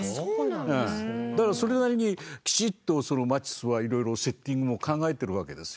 だからそれなりにぴしっとそのマティスはいろいろセッティングを考えてるわけですよね。